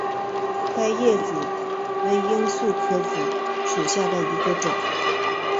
刻叶紫堇为罂粟科紫堇属下的一个种。